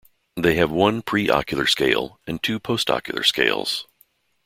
They have one preocular scale and two postocular scales.